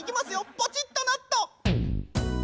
ポチッとなっと！